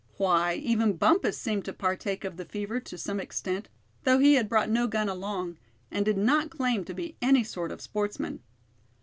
Why, even Bumpus seemed to partake of the fever to some extent, though he had brought no gun along, and did not claim to be any sort of sportsman.